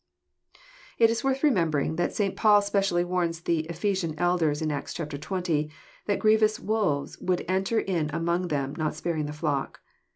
It is worth remembering that St. Paul specially warns the Ephesian elders, in Acts xx., that grievous wolves would enter in among them, not sparing the flock.